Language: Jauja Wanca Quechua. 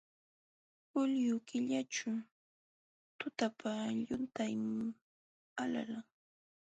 Julio killaćhu tutapa llumpaytam alalan.